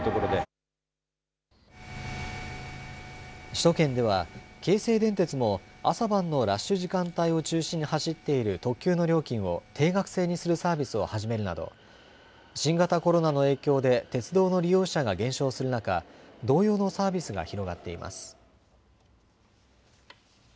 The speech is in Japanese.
首都圏では京成電鉄も朝晩のラッシュ時間帯を中心に走っている特急の料金を定額制にするサービスを始めるなど新型コロナの影響で鉄道の利用者が減少する中、同様のサービスが広がっています。